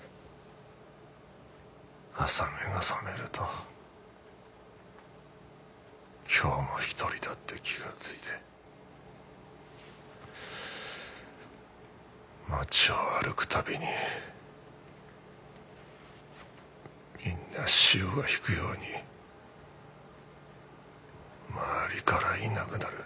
朝目が覚めると今日も独りだって気が付いて街を歩くたびにみんな潮が引くように周りからいなくなる。